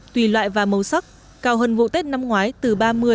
tùy loại và màu sắc cao hơn vụ tết năm ngoái từ ba mươi năm mươi